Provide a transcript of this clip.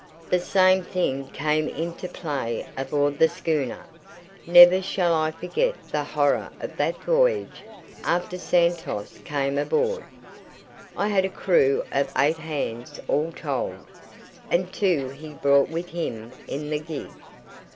"The same thing came into play aboard the schooner. Never shall I forget the horror of that voyage after Santos came aboard! I had a crew of eight hands all told, and two he brought with him in the gig.